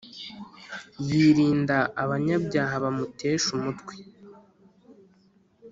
yirinda abanyabyaha bamutesha umutwe